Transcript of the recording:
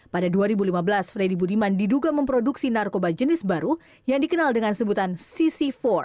pada dua ribu lima belas freddy budiman diduga memproduksi narkoba jenis baru yang dikenal dengan sebutan cc empat